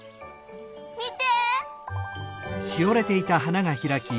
みて！